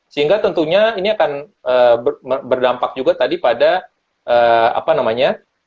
sehingga tentunya ini akan berdampak juga tadi pada apa namanya